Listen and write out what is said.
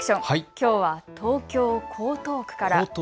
きょうは東京江東区から。